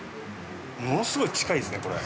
ものすごい近いですねこれ。